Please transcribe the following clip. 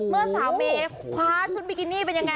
เมื่อสาวเมย์คว้าชุดบิกินี่เป็นยังไง